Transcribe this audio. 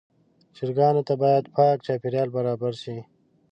چرګانو ته باید پاک چاپېریال برابر شي.